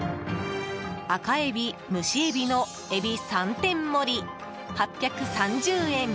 赤エビ、蒸しエビのえび三点盛、８３０円。